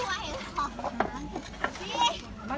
สวัสดีครับคุณพลาด